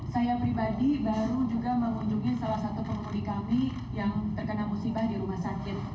saya pribadi baru juga mengunjungi salah satu pengemudi kami yang terkena musibah di rumah sakit